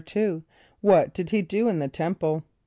= What did he do in the temple?